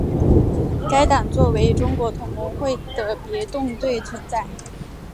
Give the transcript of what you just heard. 该党作为中国同盟会的别动队存在。